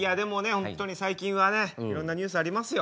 本当に最近はねいろんなニュースありますよ。